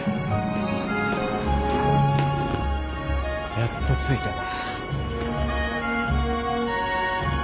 やっと着いたな。